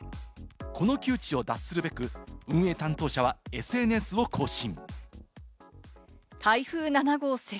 この窮地を脱するべく、運営担当者はＳＮＳを更新。